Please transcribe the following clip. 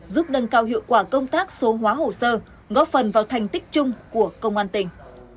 giúp nâng cao hiệu quả công tác số hóa hồ sơ góp phần vào thành tích chung của công an tỉnh